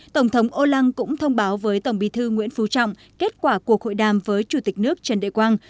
tổng thống olan cũng thông báo với tổng bí thư nguyễn phú trọng kết quả cuộc hội đàm với chủ tịch nước trần đại quang